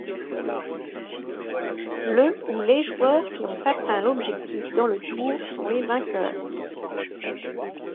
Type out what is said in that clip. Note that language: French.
Le ou les joueurs qui ont atteint l’objectif dans le tour sont les vainqueurs.